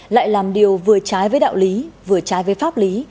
lại làm điều vừa trái với đạo lý vừa trái với pháp lý